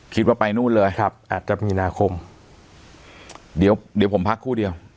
ไปนู่นเลยครับอาจจะมีนาคมเดี๋ยวเดี๋ยวผมพักคู่เดียว